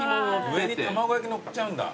上に卵焼きのっちゃうんだ。